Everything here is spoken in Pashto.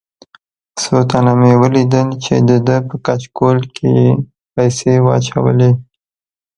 څو تنه مې ولیدل چې دده په کچکول کې یې پیسې واچولې.